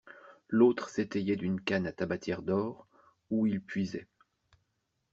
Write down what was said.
L'autre s'étayait d'une canne à tabatière d'or, où il puisait.